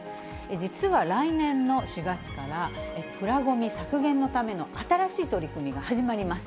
実は来年の４月から、プラごみ削減のための新しい取り組みが始まります。